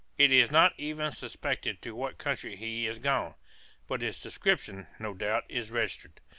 It is not even suspected to what country he is gone; but his description, no doubt, is registered.